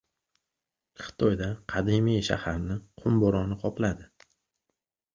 Xitoydagi qadimiy shaharni qum bo‘roni qopladi